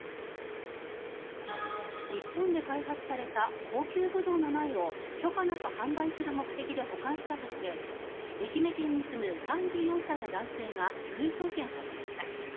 日本で開発された高級ブドウの苗を許可なく販売する目的で保管したとして愛媛県に住む３４歳の男性が書類送検されました。